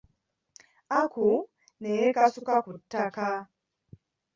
Aku ne yekasuka ku ttaka.